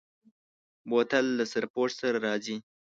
بوتل له سرپوښ سره راځي.